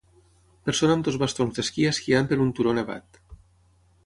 Persona amb dos bastons d'esquí esquiant per un turó nevat